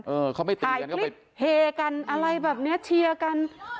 เออเขาไม่ตีกันก็ไปเฮกันอะไรแบบเนี้ยเชียร์กัน